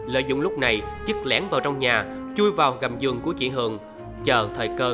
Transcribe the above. lợi dụng lúc này chức lén vào trong nhà chui vào gầm giường của chị hường chờ thời cơ ra tay